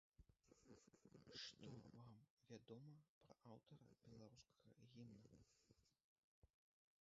Што вам вядома пра аўтара беларускага гімна?